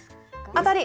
当たり！